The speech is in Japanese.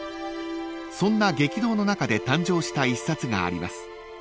［そんな激動の中で誕生した一冊があります］